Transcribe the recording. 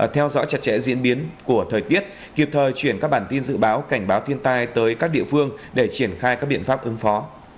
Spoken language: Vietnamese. theo dõi chặt chẽ diễn biến của thời tiết kịp thời chuyển các bản tin dự báo cảnh báo thiên tai tới các địa phương để triển khai các biện pháp ứng phó